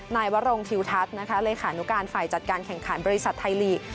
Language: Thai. นายวรงทิวทัศน์นะคะเลขานุการฝ่ายจัดการแข่งขันบริษัทไทยลีก